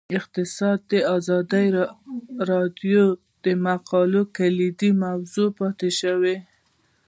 اقتصاد د ازادي راډیو د مقالو کلیدي موضوع پاتې شوی.